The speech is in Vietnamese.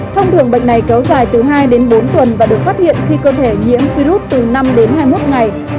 thông đường bệnh này kéo dài từ hai đến bốn tuần và được phát hiện khi cơ thể nhiễm virus từ năm đến hai mươi một ngày